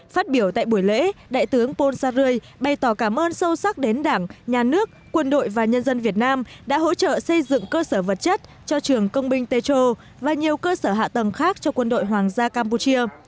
phát biểu tại buổi lễ đại tướng pom sa rươi bày tỏ cảm ơn sâu sắc đến đảng nhà nước quân đội và nhân dân việt nam đã hỗ trợ xây dựng cơ sở vật chất cho trường công binh tê trô và nhiều cơ sở hạ tầng khác cho quân đội hoàng gia campuchia